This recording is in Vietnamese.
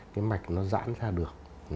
cái mạch nó dãn ra được